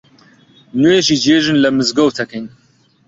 نوێژی جێژن لە مزگەوت ئەکەین